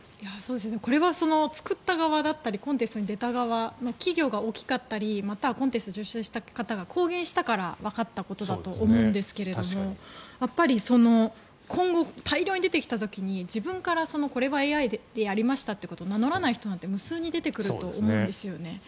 これが作った側だったりコンテストに出た側の企業が大きかったり、またはコンテストで受賞したことが公言したからわかったことだと思うんですが今後、大量に出てきた時に自分からこれはＡＩでやりましたと名乗らない人なんて無数に出てくると思うんです。